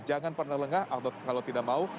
jangan pernah lengah kalau tidak mau